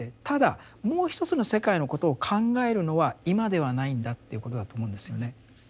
ただもう一つの世界のことを考えるのは今ではないんだっていうことだと思うんですよね。